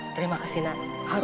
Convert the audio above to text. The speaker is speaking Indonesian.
terima kasih nak